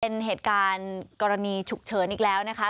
เป็นเหตุการณ์กรณีฉุกเฉินอีกแล้วนะคะ